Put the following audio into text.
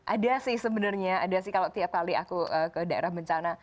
ada sih sebenarnya ada sih kalau tiap kali aku ke daerah bencana